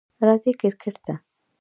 راځئ کریکټ ته!